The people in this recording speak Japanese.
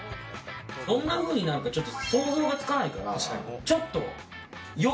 どんなふうに何かちょっと想像がつかないから。